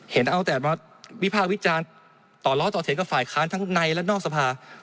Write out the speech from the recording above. เห็นเอาแต่มาวิภาควิจารณ์ต่อล้อต่อเถียงกับฝ่ายค้านทั้งในและนอกสภา